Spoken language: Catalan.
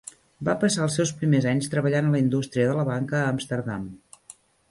Va passar els seus primers anys treballant a la indústria de la banca a Amsterdam.